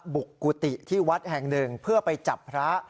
กุฏิที่วัดแห่งหนึ่งเพื่อไปจับพระ